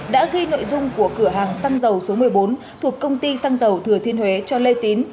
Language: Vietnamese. đã ghi nội dung của cửa hàng xăng dầu số một mươi bốn thuộc công ty xăng dầu thừa thiên huế cho lê tín